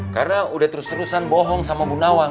karena udah terus terusan bohong sama bu nawang